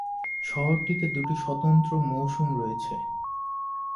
শহরটিতে দুটি স্বতন্ত্র মৌসুম রয়েছে।